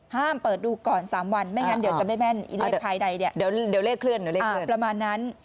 ห้ามเปิดดูก่อน๓วันไม่อยากจะไม่แม่นแก๊งฤาษีใบปล่ามันนั้น